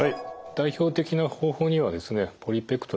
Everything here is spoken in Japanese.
代表的な方法にはですねポリペクトミー。